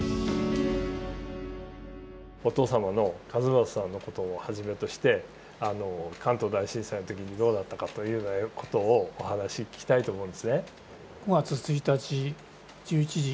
お父様の一正さんのことをはじめとして関東大震災の時にどうだったかというようなことをお話聞きたいと思うんですね。